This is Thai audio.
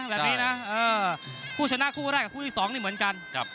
แบบนี้น่ะเออคู่ชนะคู่แรกคู่อีสองนี่เหมือนกันครับ